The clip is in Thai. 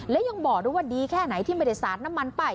และยังบอกด้วยว่าดีแค่ไหนที่ไม่ได้สาดน้ำมันไป